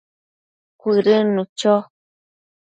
Cuëdënnu cho